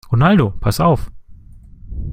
Ronaldo, pass auf!